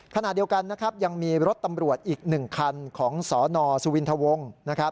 ขณะเดียวกันยังมีรถตำรวจอีก๑คันของสนสุวินทวงศ์